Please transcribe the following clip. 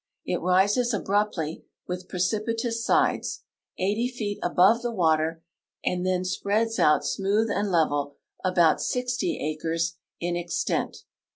It rises abruptly, with precipitous sides, 80 feet above the water, and then spreads out smooth and level about 60 acres in extent.